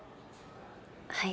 はい。